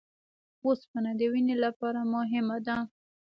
اوسپنه د وینې لپاره مهمه ده